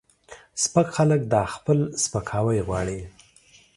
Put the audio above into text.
سپک خلک دا خپل سپکاوی غواړي